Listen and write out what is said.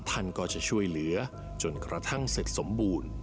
ท่านก็จะช่วยเหลือจนกระทั่งเสร็จสมบูรณ์